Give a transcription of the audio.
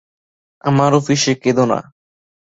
আমার অফিসে কেঁদো না।